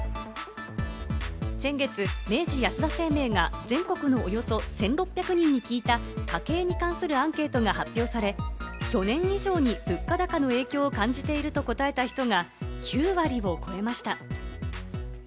先月、明治安田生命が全国のおよそ１６００人に聞いた、家計に関するアンケートが発表され、去年以上に物価高の影響を感じていると答えた人が９割を超えました。